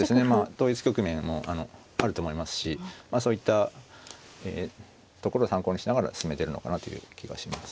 同一局面もあると思いますしそういったところを参考にしながら進めてるのかなという気がします。